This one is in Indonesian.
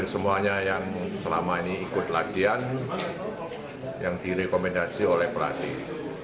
semuanya yang selama ini ikut latihan yang direkomendasi oleh pelatih